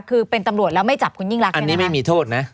คือเป็นตำรวจแล้วไม่จับคุณยิ่งรักอันนี้ไม่มีโทษนะ